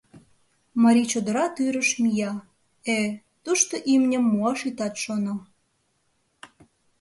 Марий чодыра тӱрыш мия; э-э, тушто имньым муаш итат шоно.